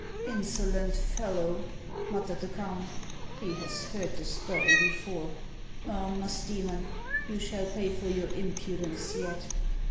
" Insolent fellow !" muttered the count, " he has heard the story before. Ah, Musdoemon, you shall pay for your impudence yet."